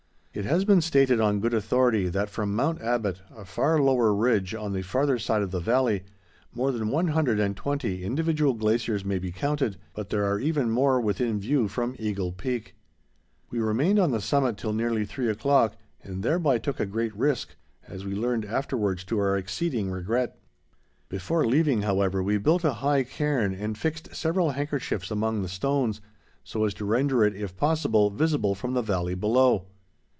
It has been stated on good authority that from Mount Abbott, a far lower ridge on the farther side of the valley, more than one hundred and twenty individual glaciers may be counted, but there are even more within view from Eagle Peak. We remained on the summit till nearly three o'clock, and thereby took a great risk, as we learned afterwards to our exceeding regret. Before leaving, however, we built a high cairn and fixed several handkerchiefs among the stones so as to render it, if possible, visible from the valley below.